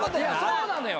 そうなのよ。